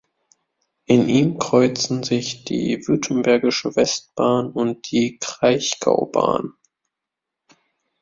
In ihm kreuzen sich die Württembergische Westbahn und die Kraichgaubahn.